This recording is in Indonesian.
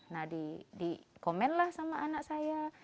nah di komenlah sama anak saya